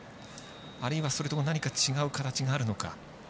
あるいはそれとも何か違う形があるのか。